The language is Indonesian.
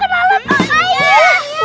makan alat pak